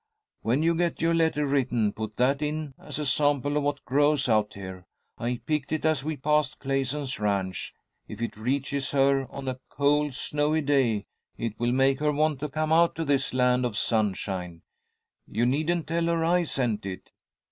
"When you get your letter written, put that in, as a sample of what grows out here. I picked it as we passed Clayson's ranch. If it reaches her on a cold, snowy day, it will make her want to come out to this land of sunshine. You needn't tell her I sent it."